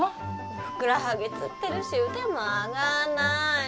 ふくらはぎつってるし腕も上がんない！